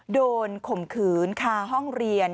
ข่มขืนคาห้องเรียน